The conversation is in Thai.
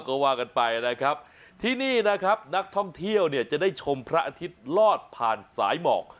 ก็ว่ากันไปนะครับที่นี่นะครับนักท่องเที่ยวเนี่ยจะได้ชมพระอาทิตย์ลอดผ่านสายหมอก